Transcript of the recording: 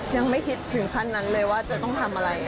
ยังไม่คิดถึงขั้นนั้นเลยว่าจะต้องทำอะไร